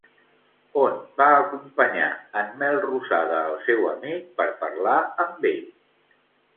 On va acompanyar en Melrosada el seu amic per parlar amb ell?